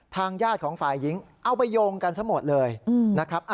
ทางญาติของฝ่ายหญิงเอาไปโยงกันซะหมดเลยนะครับ